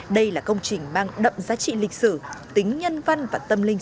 đây là công trình mang đậm giá trị lịch sử tính nhân văn và tâm linh